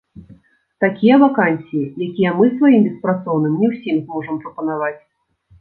Такія вакансіі, якія мы сваім беспрацоўным не ўсім зможам прапанаваць.